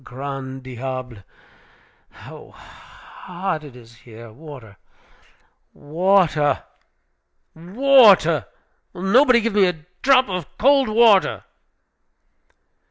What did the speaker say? Ah, grand diable! how hot it is here! Water, water, water! Will nobody give me a drop of cold water?"